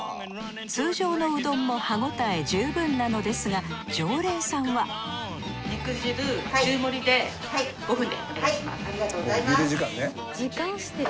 通常のうどんも歯応え十分なのですが常連さんははいありがとうございます。